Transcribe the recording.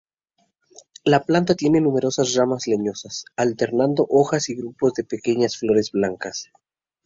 La planta tiene numerosas ramas leñosas, alternando hojas y grupos de pequeñas flores blancas.